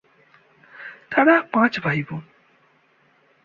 তারা পাঁচ ভাইবোন।